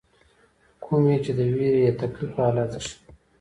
کومي چې د ويرې يا تکليف پۀ حالت کښې